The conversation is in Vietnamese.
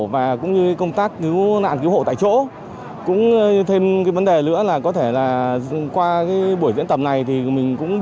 và tổ chức tìm kiếm cứu hộ cứu nạn